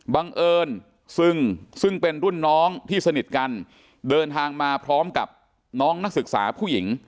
บังเอิญซึ่งซึ่งเป็นรุ่นน้องที่สนิทกันเดินทางมาพร้อมกับน้องนักศึกษาผู้หญิง